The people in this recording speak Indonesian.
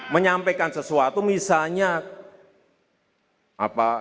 menyampaikan sesuatu misalnya